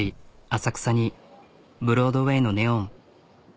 浅草にブロードウェイのネオン。